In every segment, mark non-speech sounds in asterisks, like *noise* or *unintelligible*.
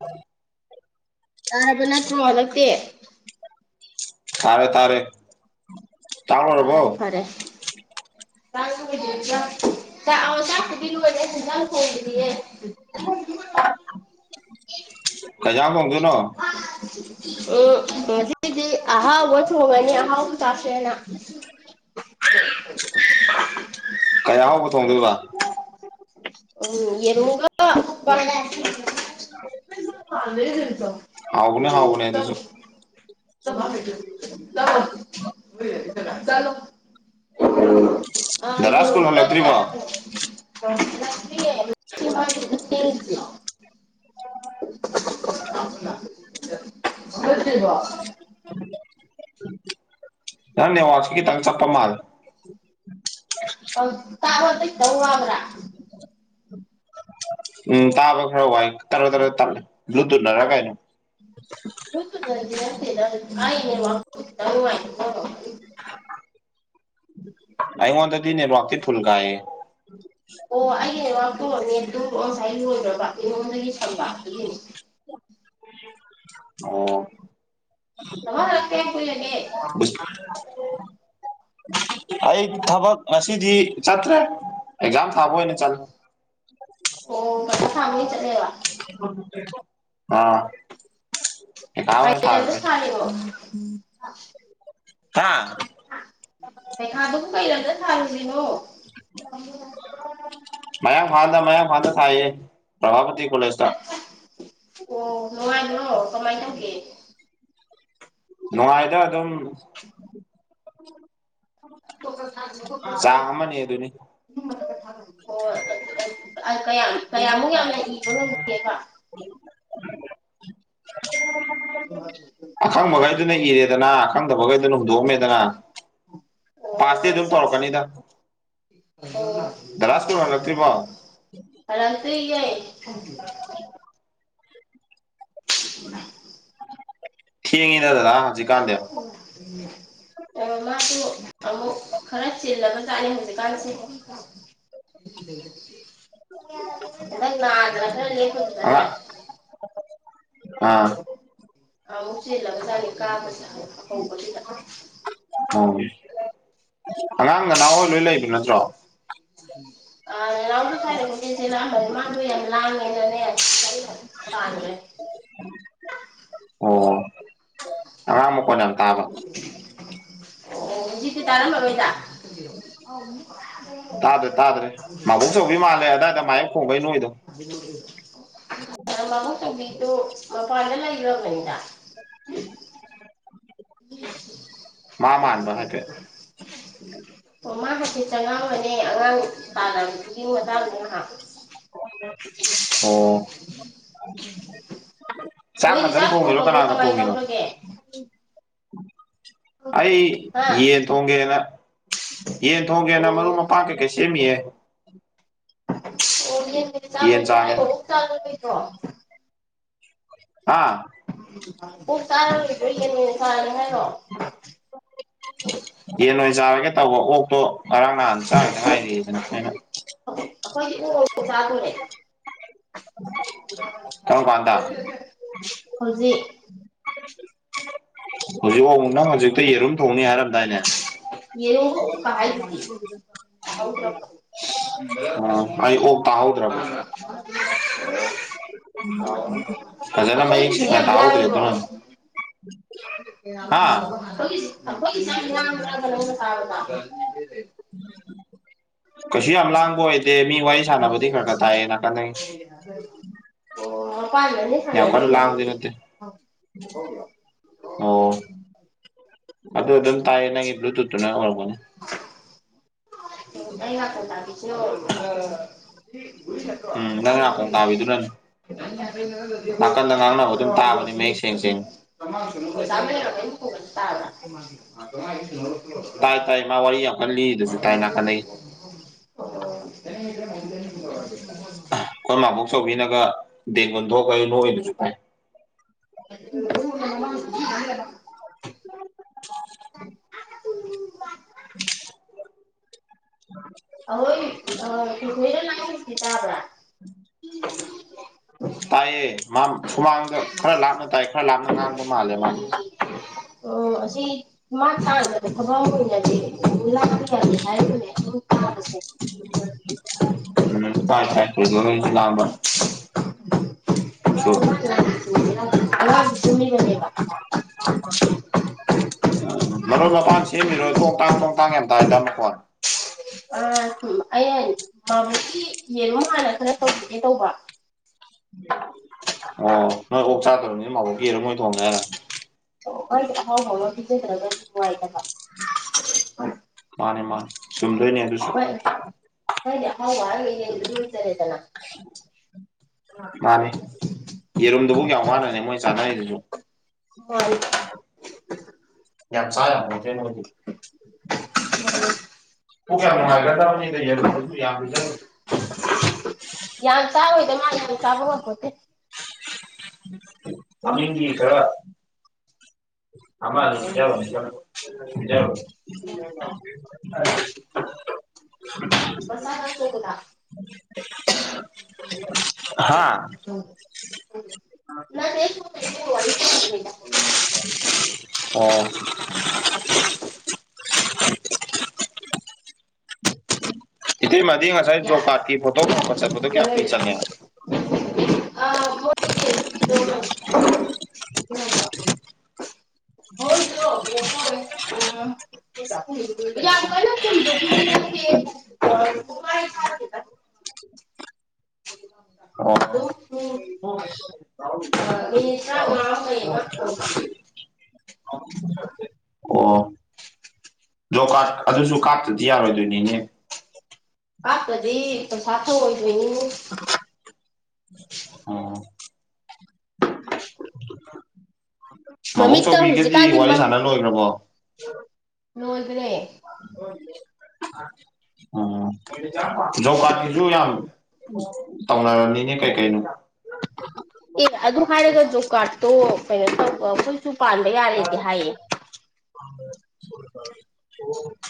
ꯎ ꯇꯥꯔꯕ ꯅꯠꯇ꯭ꯔꯣ ꯍꯟꯗꯛꯇꯤ ꯇꯥꯔꯦ ꯇꯥꯔꯦ ꯇꯥ ꯃꯔꯔꯕꯣ ꯇ ꯑ ꯆ ꯂꯨꯗ ꯐꯣ ꯀꯖꯡ ꯑꯣ ꯦ ꯑꯍꯥ ꯊꯣꯡꯒꯅꯤ ꯑꯍꯥꯎ ꯇꯥꯁꯦꯅ *inaudible* ꯀꯌꯥ ꯍꯥꯎꯧꯕ ꯊꯣꯡꯗꯣꯏꯕ ꯎ ꯌꯦꯔꯣꯔ ꯍꯥꯎꯒꯅꯦ ꯍꯥꯎꯒꯅꯦꯗꯁꯨ ꯆꯣ ꯆꯂꯣ ꯗꯗꯥ ꯁ꯭ꯀꯨꯜ ꯑ ꯍꯜꯂꯛꯇ꯭ꯔꯤꯕꯣ ꯌꯒꯅꯦ ꯁꯤ ꯂ ꯁ ꯀ ꯅꯅꯦ ꯋꯥꯁꯤꯀꯤ ꯇꯪ ꯆꯞꯄ ꯃꯥꯜ ꯇꯥꯔꯗ ꯇ ꯎꯝ ꯇ ꯑꯕ ꯈꯔ ꯋꯥꯏ ꯇ ꯇ ꯭ꯂꯨ ꯇꯨꯊꯔ ꯀꯥꯏꯅ ꯅ ꯑ ꯃꯗꯤꯅꯦꯕꯗꯤ ꯐꯨꯜꯀꯑ ꯑꯣ ꯑꯦ ꯔꯄꯦ ꯇꯨ ꯑꯣ ꯁꯥꯏ ꯍꯗ꯭ꯔ ꯏ ꯃꯗꯗꯒꯤ ꯁꯜꯄ ꯍꯥꯏꯗ ꯌꯦꯅꯤ ꯑꯣ ꯑꯃ ꯂ ꯀ ꯀꯂꯒꯦ ꯑꯩ ꯊꯕꯛ ꯉꯁꯤꯗꯤ ꯆꯠꯇ꯭ꯔꯦ ꯑꯦꯛꯖꯥꯝ ꯊꯥꯕ ꯑꯣꯏꯅ ꯆꯠꯂꯦ ꯑꯣ ꯐꯃꯤꯂꯤ ꯆ ꯂꯩ ꯑꯥ ꯄꯩꯈꯥ ꯑꯣꯏꯅ ꯄꯥꯏꯦ ꯊꯥꯔꯨꯔꯦ ꯁꯅꯤꯕ ꯎꯝ *inaudible* ꯍꯥꯥ ꯍ ꯃꯌꯥꯝ ꯐꯥꯗ ꯃꯌꯥꯝ ꯐꯥꯗ ꯊꯌꯦ ꯄ꯭ꯔꯚꯥꯄꯇ ꯑꯣ ꯅꯨꯡꯉꯥꯏꯕ꯭ꯔꯣ ꯀꯃꯥꯏꯅ ꯇꯧꯒꯦ ꯅꯅꯨꯡꯉꯥꯏꯗ ꯑꯗꯨ ꯑꯗꯨꯝ ꯍ ꯆꯥꯡ ꯑꯃꯅꯤ ꯑꯗꯨꯅꯤ ꯍꯣꯏ ꯀ *unintelligible* ꯀꯌꯥꯃꯨꯛ ꯌꯥꯝꯅ ꯏꯕ ꯉꯝꯗꯦꯕ ꯑꯣ *inaudible* ꯑꯈꯪ ꯃꯈꯩꯗꯨꯅ ꯏꯔꯦꯗꯅ ꯑꯈꯪꯗꯕꯩꯗꯨꯅ ꯍꯨꯟꯗꯣꯛꯑꯝꯃꯦꯗꯅ ꯄꯥꯁꯇꯤ ꯑꯗꯨꯝ ꯇꯧꯔꯛꯀꯅꯤꯗ ꯑꯣ ꯗꯗꯥ ꯁ꯭ꯀꯨꯜ ꯍꯜꯂꯛꯇ꯭ꯔꯤꯕꯣ ꯍꯔꯛꯇ ꯌꯥꯏ *unintelligible* *inaudible* ꯊꯦꯡꯉꯦ꯫ ꯑꯣ ꯃꯥꯁꯨ ꯑꯃꯨꯛ ꯈꯔ ꯆꯤꯜꯂꯒ ꯆꯥꯠꯅꯤ ꯍꯧꯖꯤꯛꯀꯥꯟꯁꯦ ꯗ *unintelligible* ꯑꯗꯨ *unintelligible* ꯑ ꯑꯥ ꯑꯕꯨꯆꯂꯒ ꯆꯅꯤ ꯀꯥꯕ ꯍꯧꯕ ꯑꯣ ꯑꯉꯥꯡ ꯅ ꯅꯍꯣꯏ ꯂꯣꯏ ꯂꯩꯕ ꯅꯠꯇ꯭ꯔꯣ ꯑ ꯔꯝꯗ ꯁꯥꯏꯅꯗꯤꯁꯦ ꯃꯥꯕꯨ ꯌꯥꯝ ꯂꯥꯡꯉꯦꯅꯅꯦ ꯄꯥꯈꯦ ꯑꯣ ꯑꯉꯥꯡ ꯃꯈꯣꯜ ꯌꯥꯝ ꯇꯥꯕ ꯑꯣꯖꯤꯛꯇꯤ ꯇꯥꯔꯝꯃꯔꯣꯏꯗ ꯇꯥꯗ꯭ꯔꯦ ꯇꯥꯗ꯭ꯔꯦ ꯃꯥꯕꯣꯛ ꯆꯧꯕꯤ ꯃꯥꯜꯂꯦ ꯑꯗꯥꯏꯗ ꯃꯥꯏ ꯃꯨꯝꯕꯩꯅ ꯎ *unintelligible* ꯃꯍꯨ ꯆꯪꯕꯤꯛꯇꯨ ꯃꯄꯥꯟꯗ ꯂꯩꯕꯅꯤꯗ *unintelligible* ꯃꯥ ꯃꯥꯗ ꯍꯥꯏꯒꯠ ꯆꯉ ꯅꯦ ꯑꯉꯥꯡ ꯇꯥꯕꯗꯨꯒꯤ ꯃꯇꯥꯡꯅꯦ ꯑ ꯎ ꯅꯣꯏꯗꯤ ꯅꯊꯟ ꯆꯥꯛ ꯊꯣꯡꯉꯤꯔꯣ ꯊꯣꯡꯕꯣ ꯀꯅꯥꯒ ꯀꯃꯥꯏꯅ ꯊꯣꯡꯉꯤꯅꯣ ꯇꯧꯔꯒꯦ ꯑꯩ ꯍꯥ ꯌꯦꯟ ꯊꯣꯡꯒꯦꯅ ꯌꯦꯟ ꯊꯣꯡꯒꯦꯅ ꯑꯣ ꯃꯔꯨꯞ ꯃꯄꯥꯡ ꯀꯩꯀꯩ ꯁꯦꯝꯃꯤꯑ *unintelligible* ꯑꯣꯕꯤ ꯆ ꯌꯦꯟ ꯆꯥꯒꯦꯅ ꯆꯥꯗꯣ ꯍꯥ ꯑꯣ ꯇꯥꯔꯣꯏꯗꯣꯏ ꯀꯩꯅꯣ ꯐꯥꯅꯤ ꯍꯥꯏꯔꯛꯑꯣ ꯌꯦꯟ ꯑꯣꯏꯅ ꯆꯥꯔꯒꯦ ꯇꯧꯕ ꯑꯣꯛꯇꯣ ꯉꯔꯥꯡ ꯅꯍꯥꯟ ꯆꯥꯗ ꯉꯥꯏꯔꯤꯗꯅ ꯑꯩꯅ ꯑꯩꯈꯣꯏꯗꯤ ꯎꯔꯣꯛ ꯆꯥꯗꯣꯔꯦ ꯀꯔꯝ ꯀꯥꯟꯗ ꯍꯧꯖꯤꯛ ꯍꯧꯖꯤꯨꯅ ꯍꯧꯖꯤꯛꯛꯇ ꯌꯦꯔꯨ *unintelligible* ꯑꯩ ꯑꯣꯛ ꯇꯥꯍꯧꯗ꯭ꯔꯕ ꯐꯖꯅ ꯃꯌꯦꯛ ꯑꯩꯈꯣꯏꯒꯤꯁꯦ ꯁꯦꯡꯅ ꯌꯥꯝ ꯇꯥꯍꯧꯗ꯭ꯔꯦ ꯂꯥꯏꯕ꯭ꯔꯣ ꯑꯗꯨꯅ ꯍꯥ *unintelligible* *unintelligible* ꯎ ꯀꯁꯤ ꯑꯝꯂꯒꯣ ꯍꯥꯏꯠꯇꯦ ꯑꯣ ꯌꯥꯝ ꯀꯟꯅ ꯂꯥꯡꯕꯗꯤ ꯅꯠꯇꯦ *unintelligible* ꯑꯣ ꯑꯗꯨꯗ ꯑꯗꯨꯝ ꯇꯥꯏꯅꯒꯤ ꯑꯗꯨꯅ ꯍꯅꯦ ꯑ ꯉ ꯐ ꯎꯝ ꯅꯪ ꯅꯥꯀꯣꯡ ꯇꯥꯕꯤꯗꯨꯅꯅꯦ ꯇ ꯅꯥꯀꯟꯗ ꯉꯥꯡꯅꯕ ꯑꯗꯨꯝ ꯇꯥꯕꯅꯤ ꯃꯌꯦꯛ ꯁꯦꯡ ꯁꯦꯡꯅ *inaudible* ꯇꯥꯏ ꯇꯥꯏ ꯃꯥ ꯋꯥꯔꯤ ꯌꯥꯝ ꯀꯟꯅ *inaudible* ꯂꯤꯔꯤꯗꯨꯁꯨ ꯇꯥꯏ ꯅꯥꯀꯟꯗꯒꯤ *inaudible* ꯀꯣꯏ ꯃꯥꯕꯨꯛ ꯁꯣꯕꯤꯤꯅ ꯀ ꯗꯦꯕꯨꯟꯊꯣ ꯀꯁꯨꯄꯥꯏ ꯎ ꯑꯣꯏ ꯇꯔ ꯂꯥꯏꯁ ꯇꯕ꯭ꯔ *inaudible* ꯇꯌꯦ ꯃꯥ ꯁꯨꯃꯥꯡꯗ ꯈꯔ ꯂꯥꯞꯅ ꯇꯥꯏ ꯈꯔ ꯂꯥꯞꯅ ꯉꯥꯡꯕ ꯃꯥꯜꯂꯦ ꯃꯥꯗꯤ ꯎꯝ ꯑꯁꯤ ꯎ ꯎꯝ ꯇꯥꯏ ꯊꯥꯏ ꯊꯁꯨ ꯂꯥꯝꯕ ꯑꯉꯥꯡꯁꯨ ꯇꯨꯝꯃꯤꯕꯅꯦꯕ ꯃꯔ ꯃꯄꯥꯟ ꯁꯦꯝ ꯃꯤꯔꯖ ꯇꯣꯡ ꯇꯥꯡ ꯇꯣꯡ ꯇꯥꯡ ꯌꯥꯝ ꯇꯥꯏ ꯇꯅꯀꯣꯟ ꯑ ꯑꯕ ꯌꯦꯉ ꯍꯥꯟꯅ ꯈꯔ ꯇꯧꯈꯤꯒꯦ ꯇꯧꯕ ꯑꯣ ꯅꯣꯏ ꯑꯣꯛ ꯆꯥ ꯇꯔꯅꯦ ꯃꯥꯕꯣꯛ ꯀꯦꯔ ꯃꯣꯏ ꯊꯣꯡꯉꯦ ꯍꯥꯏꯔ ꯍꯣꯏ ꯍꯥꯎ ꯍꯥꯎ ꯍ ꯏꯆꯦ ꯔꯒ ꯍꯣꯏ ꯃꯥꯅꯦ ꯃꯥꯅꯦ ꯆꯨꯝꯗꯣꯏꯅꯦ ꯑꯗꯨꯁꯨ ꯍꯣꯏ ꯍꯥꯎ ꯌꯦꯗ ꯆꯔꯦꯗꯅ ꯃꯥꯅꯤ ꯌꯦꯔꯨꯝꯗꯨꯕꯨ ꯀꯌꯥꯝ ꯋꯥꯠꯅꯅꯤ ꯃꯣꯏ ꯆꯥꯟꯅꯔꯤꯗꯨꯁꯨ ꯃꯥꯅꯤ ꯌꯥ ꯆ ꯃ ꯍꯧꯗꯤ ꯎ ꯀ ꯍꯥꯏ ꯌꯥ ꯌꯥꯖꯔ *inaudible* ꯌꯥꯝ ꯆꯥꯎꯗ ꯃꯥ ꯆꯕꯕꯄꯗꯤꯦ ꯑꯃꯤꯗꯤ ꯈꯔ ꯑꯃ ꯌꯥꯕ ꯌꯥ ꯌꯥꯕ ꯎ ꯑ ꯄꯁꯥꯗ ꯆꯣꯒꯂꯥꯛ *unintelligible* ꯍꯥ ꯍꯥꯥ ꯅꯠꯇꯦ ꯑꯩ ꯁꯣꯝꯗ ꯏꯕꯦꯝꯃ ꯋꯥꯔꯤ ꯁꯥꯟꯅꯕꯅꯤꯗ ꯑꯣ *unintelligible* ꯏꯇꯩꯃꯗꯤ ꯉꯁꯥꯏ ꯖꯣꯕ ꯀꯥꯔꯠꯀꯤ ꯐꯣꯇꯣꯄꯠ ꯐꯣꯇꯣ ꯀꯌꯥ ꯄꯤ ꯅꯣꯏ ꯆꯠꯂꯦ ꯑꯥ ꯃꯣꯏꯒꯤ ꯍ ꯎ ꯍꯣꯏ ꯌꯥꯝ ꯀꯥꯏꯅ ꯀꯗꯦ *unintelligible* ꯑꯣ ꯑ ꯃꯤꯅꯤꯇ꯭ꯔ ꯋꯥꯍꯕ ꯑꯣꯟꯕ ꯑꯣ ꯣ ꯀꯥ ꯑꯗꯨꯁꯨ ꯀꯥꯇꯗꯤ ꯌꯥꯔꯣꯏ ꯅꯤꯅꯦ ꯍꯥꯥꯛꯄꯗꯤ ꯀ ꯁꯥꯊ ꯑꯣꯏꯗꯣꯏꯅꯤ ꯑꯣ ꯃꯕꯨꯛ ꯃꯃꯤꯠꯇ ꯆꯧꯕꯤꯒꯗꯤ ꯍꯧꯖꯤꯛꯀꯥꯟꯗꯤ ꯋꯥꯔꯤ ꯁꯥꯟꯅ ꯂꯣꯏꯈ꯭ꯔꯕꯣ ꯑ ꯅꯣꯟꯗꯅꯦ ꯑ ꯆꯖꯧꯀꯥꯀꯤꯤꯁꯨ ꯌꯥꯝ ꯇꯅ ꯔꯅꯤꯅꯦ ꯀꯩ ꯀꯥꯏ ꯅ ꯑꯦ ꯑꯗꯨ ꯍꯥꯏꯔꯒ ꯖꯣꯕ ꯀꯥꯔꯠꯇꯣ ꯀꯩꯅꯣ ꯇꯧꯕ ꯃꯈꯣꯏꯁꯨ ꯄꯥꯟꯗ ꯌꯥꯔꯦꯗꯤ ꯍꯥꯏꯌꯦ ꯁꯂꯔꯦ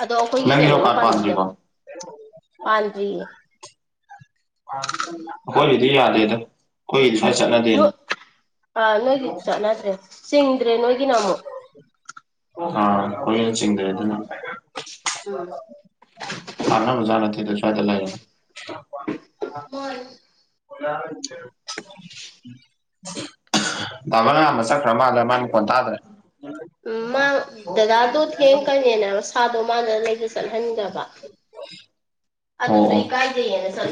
ꯑꯗꯣ ꯑꯩꯈꯣꯏꯒꯤ ꯀꯩꯅꯣꯅ ꯄꯥꯝꯕꯤꯗꯕ ꯄꯥꯟꯗ꯭ꯔꯤꯌꯦ ꯍꯣꯏꯗꯤ ꯌꯥꯗꯦꯗ ꯀꯣꯏꯗꯤ ꯑ ꯆꯠꯅꯗꯅꯦ ꯅꯣꯏ ꯑꯥ ꯅꯣꯏꯒꯤ ꯆꯠꯅꯗ꯭ꯔꯦ ꯆꯤꯡ ꯭ꯔꯦ ꯅꯣꯒꯤ ꯅꯃ ꯑꯥ ꯀꯣꯏꯅ ꯆꯤꯡꯗ꯭ꯔꯦ ꯑꯗꯨꯅ ꯎꯝ ꯀꯥꯟꯅꯕꯅꯕꯖꯥꯠ ꯅꯠꯇꯦꯗ ꯁ꯭ꯋꯥꯏꯗ ꯂꯩꯥꯛ ꯑꯣ ꯎꯝ ꯇꯥꯕꯅ ꯑꯃ ꯆꯠꯈ꯭ꯔ ꯃꯥꯜꯂ ꯃꯥ ꯃꯗꯗ꯭ꯔꯦ ꯎ ꯃꯥ ꯗꯗꯥꯗꯨꯣ ꯊꯦꯡꯀꯅꯦꯅꯦ ꯁꯥꯗ ꯗ ꯂꯩꯕ ꯆꯠꯍꯟꯗꯕ ꯑꯣ ꯑꯗꯨꯁꯨ ꯑꯣ ꯏꯀꯥꯏꯗꯩꯌꯦꯅ ꯁ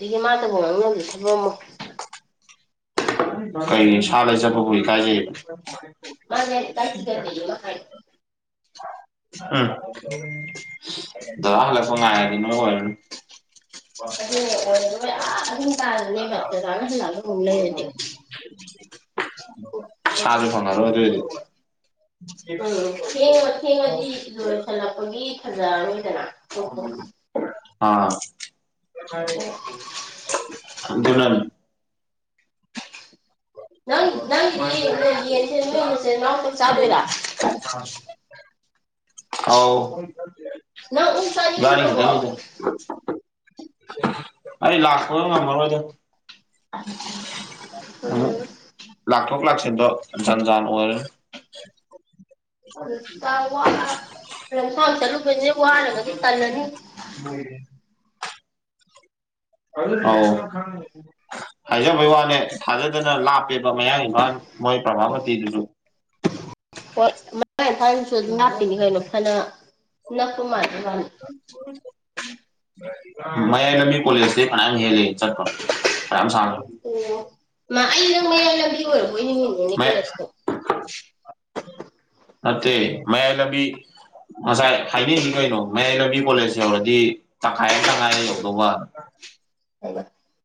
ꯌꯥꯦ ꯃ ꯉꯅꯁꯤꯄꯃ ꯍꯒꯣꯏ ꯀꯖꯦ ꯃꯥ ꯌꯥꯅꯦ ꯀꯥꯏ ꯊ ꯌꯥꯔꯅ ꯀꯥꯏ ꯎꯝ ꯗꯂꯄ ꯉꯔꯅ ꯑꯗꯨ ꯑꯗꯨ ꯀꯥꯗ ꯃꯔꯠꯇꯗꯅ ꯑꯗꯨ ꯅꯂ ꯎ ꯂꯩꯩꯗꯤꯦ *inaudible* ꯁꯥꯖꯨ ꯐꯪꯉꯔꯣꯏ ꯑꯗꯨ ꯑꯣꯗꯤ ꯎꯝ ꯊꯦꯡꯉ ꯊꯦꯡꯉꯗꯤ ꯂꯣꯍꯣ ꯍꯄꯒꯤ *inaudible* *inaudible* ꯑꯥ *inaudible* ꯅꯇꯦ ꯅ ꯅꯪ ꯅꯪꯗꯤ ꯌꯦꯟ ꯁꯦ ꯅꯣꯏ ꯅꯆꯤꯟ ꯅꯅꯥꯎ ꯈꯛ ꯆꯗꯣꯏꯔ ꯑꯥꯎ ꯅꯪ ꯑꯣꯛ ꯆꯥꯅꯤꯡꯗ꯭ꯔꯕꯣ *inaudible* ꯑꯩ ꯂꯥꯛꯄꯒ ꯉꯝꯃꯔꯣꯏꯗ *inaudible* *inaudible* ꯂꯥꯛꯊꯣꯛ ꯂꯥꯛꯁꯤꯟꯗꯣ ꯖꯟ ꯖꯥꯟ ꯑꯣꯏꯔꯦ *inaudible* ꯂꯝꯁꯥꯡ ꯆꯠꯂꯨꯕꯅ ꯋꯥꯔꯒꯗꯤ ꯇꯜꯂꯅꯤ ꯃꯣꯌꯦ ꯑꯧ ꯍꯥꯏꯖꯕꯩ ꯋꯥꯅꯦ ꯊꯥꯖꯗꯅ ꯂꯥꯞꯄꯦꯕ ꯃꯌꯥꯡ ꯏꯝꯐꯥꯜ ꯃꯣꯏ ꯄ꯭ꯔꯚꯥꯃꯇꯤꯗꯨꯁꯨ ꯍꯣꯏ ꯃ ꯅ ꯊꯅꯤ ꯑꯗꯨꯝ ꯉꯥꯛꯄꯤꯅꯤ ꯀꯩꯅꯣ ꯐꯅ ꯅꯛꯄ ꯃꯥꯜꯂꯤ ꯃꯥꯜꯂꯤ *inaudible* ꯃꯌꯥꯏ ꯂꯝꯕꯤ ꯀꯣꯂꯦꯁ ꯇꯩ ꯐꯌꯥꯝ ꯍꯦꯟꯂꯦ ꯆꯠꯄ ꯐꯅꯌꯥꯝ ꯁꯥꯡꯅ ꯑꯣ ꯃꯥ ꯑꯩ ꯅꯪ ꯂꯝꯕꯤ ꯑꯣꯏꯔꯕꯣꯏ ꯅꯤꯡ ꯏꯅꯤꯅꯦ ꯃꯌꯥꯏ ꯀꯣꯂꯦꯖꯇꯣ ꯅꯠꯇꯦ ꯃꯌꯥꯏ ꯂꯝꯕꯤ ꯉꯁꯥꯏ ꯍꯥꯏꯅꯩꯅꯤ ꯀꯩꯅꯣ ꯃꯌꯥꯏ ꯂꯝꯕꯤ ꯀꯣꯂꯦꯖ ꯌꯧꯔꯗꯤ ꯇꯈꯥꯏ ꯈꯥꯏꯔꯦ ꯌꯧꯗꯧꯕ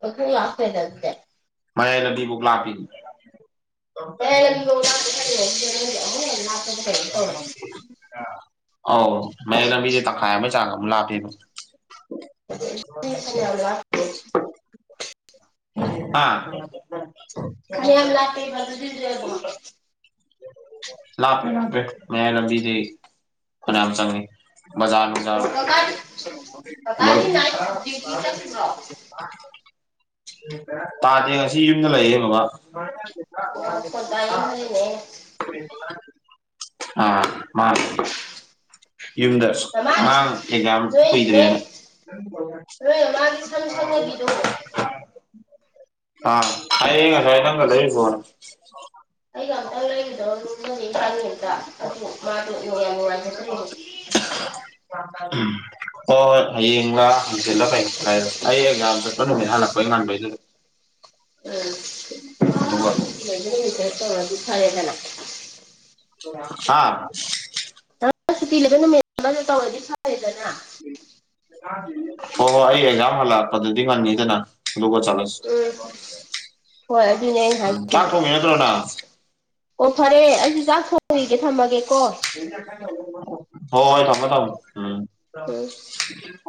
ꯑꯣꯈ ꯂꯥꯁꯐꯦꯗꯦ ꯗꯦ ꯃꯌꯥꯏ ꯂꯝꯕꯤꯕꯨ ꯂꯥꯄꯤꯅꯦ *inaudible* *inaudible* ꯑ ꯃꯃꯥꯡ ꯆꯍꯤ ꯑ ꯑꯧ ꯃꯌꯥꯏ ꯂꯝꯕꯤꯒꯤ ꯇꯪꯈꯥꯏ ꯑꯃ ꯆꯥꯡ ꯂꯥꯄꯤꯕꯣ *inaudible* ꯑꯥ ꯈꯜ ꯌꯥꯝ ꯂꯥꯛꯇꯗ ꯑꯗꯨ ꯂꯥꯛꯄꯦ ꯂꯥꯛꯄꯦ ꯃ ꯂꯕꯤꯖꯩ ꯐꯅꯦ ꯆꯅꯤ ꯖꯔ ꯖ ꯑꯣ ꯀꯀꯥꯗꯤ ꯍꯂ ꯀꯀꯥꯗꯤ ꯅꯥꯏꯠ ꯗ꯭ꯌꯨꯇꯤ ꯆꯠꯄ꯭ꯔꯣ ꯇꯥꯗꯦ ꯉꯁꯤ ꯌꯨꯝꯗ ꯂꯩꯌꯦꯀ ꯑꯣꯄ ꯇꯏꯅꯔꯤꯅꯦ ꯑꯥ ꯃꯥ ꯌꯨꯝꯗꯁ ꯃꯃꯥꯒꯤ ꯍꯥꯡ ꯑꯦꯖꯝ ꯅꯣꯏ ꯅꯣꯏ ꯀꯣꯏꯗꯅ ꯅꯣꯏ ꯃꯃꯥꯒꯤ ꯁꯝ ꯁꯪꯅꯕꯤꯗꯣ ꯑꯥ ꯍꯥꯏ *unintelligible* ꯑꯩꯒ ꯑꯝꯇ ꯂꯩꯕꯗꯣ ꯑꯗꯨꯅꯗꯤ ꯈꯝꯇ ꯑꯗꯨ ꯃꯥꯗꯨꯅꯨꯡ ꯌꯥꯝ ꯅꯨꯡꯉꯥꯏꯖꯗ꯭ꯔꯦꯅꯦ *inaudible* ꯎꯝ ꯍꯣꯏ ꯍꯣꯏ ꯍꯌꯦꯡꯡꯂꯥ ꯍꯟꯆꯤꯜꯂ ꯐꯩꯥꯏꯔ ꯑꯩ ꯑꯦ ꯆꯠꯄ ꯅꯨꯃꯤꯠ ꯍꯜꯂꯛꯄꯩ ꯉꯥꯟꯕꯩꯗꯨꯗ ꯎꯝ ꯑꯗꯨꯒ ꯁꯨꯇꯤ ꯂꯩꯕ ꯅꯨꯃꯤꯠꯇ ꯇꯧꯔꯗꯤ ꯐꯔꯦꯗꯅ ꯍꯥꯥ ꯁꯨꯇꯤ ꯂꯩꯕ ꯅꯨꯃꯤꯠ ꯑꯃꯗ ꯇꯧꯔꯗꯤ ꯁꯔꯦꯗꯅ ꯍꯣꯏ ꯍꯣꯏ ꯑꯩ ꯑꯦꯛꯖꯥꯝ ꯍꯜꯂꯛꯄꯗꯨꯗꯤ ꯉꯉꯗꯅ ꯂꯒ ꯆꯂꯁ ꯎꯝ ꯍꯣꯏ ꯑꯗꯨꯅꯦ ꯑꯩꯅ ꯀꯥ ꯍꯥꯏꯁꯤꯁꯨ ꯀꯣꯃꯤ ꯅꯠꯇ꯭ꯔꯣꯗꯥ ꯑꯣ ꯐꯔꯦ ꯑꯩꯁꯨ ꯆꯥꯛ ꯊꯣꯡꯤꯒꯦ ꯊꯝꯃꯒꯦꯀꯣ ꯍꯣꯏ ꯍꯣꯏ ꯊꯝꯝꯕꯣ ꯊꯝꯃꯣ ꯎꯝ ꯎꯝ *unintelligible*